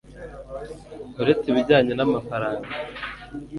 uretse ibijyanye n'amafaranga